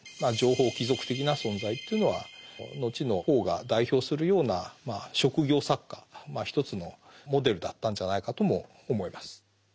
情報貴族的な存在というのは後のポーが代表するような職業作家一つのモデルだったんじゃないかとも思います。